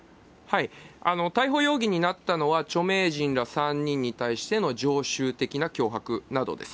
逮捕容疑になったのは、著名人ら３人に対しての常習的な脅迫などです。